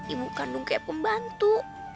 ibu kandung kayak pembantu